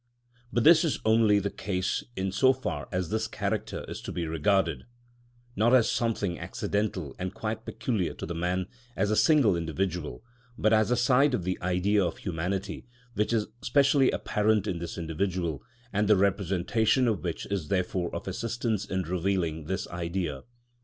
But this is only the case in so far as this character is to be regarded, not as something accidental and quite peculiar to the man as a single individual, but as a side of the Idea of humanity which is specially apparent in this individual, and the representation of which is therefore of assistance in revealing this Idea.